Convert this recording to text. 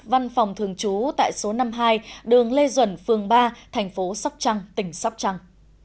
văn phòng thường trú tại số năm mươi hai đường lê duẩn phường ba thành phố sóc trăng tỉnh sóc trăng